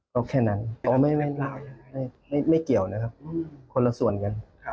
ก็แค่นั้นก็ไม่เกี่ยวนะครับคนละส่วนกัน